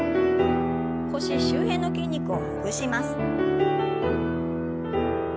腰周辺の筋肉をほぐします。